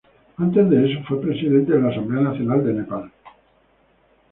Antes de eso, fue Presidente de la Asamblea Nacional de Nepal.